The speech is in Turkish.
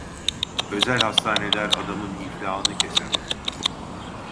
Özel hastaneler adamın iflahını keser.